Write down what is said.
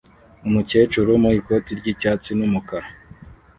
Umukecuru mu ikoti ry'icyatsi n'umukara